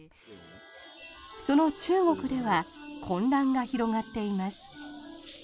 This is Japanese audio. その中国では混乱が広がっています。